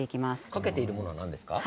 かけているものは何ですか？